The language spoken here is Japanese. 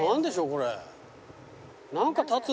これ。